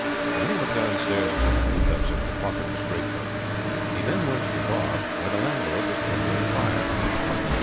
Then he went downstairs and put the handcuffs into the pocket of his great coat. He then went to the bar, where the landlord was kindling a fire.